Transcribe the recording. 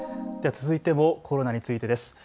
続いてもコロナについてです。